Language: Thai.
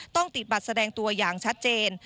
ต้องติดบัตรแสดงตัวอย่างชัดเจน